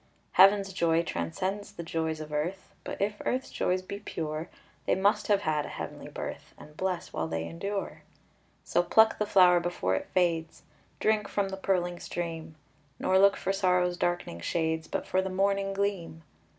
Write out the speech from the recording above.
Heaven's joy transcends the joys of earth, But if earth's joys be pure They must have had a heavenly birth, And bless while they endure; So pluck the flower before it fades Drink from the purling stream; Nor look for sorrow's darkening shades, But for the morning gleam.